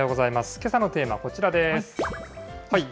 けさのテーマはこちらです。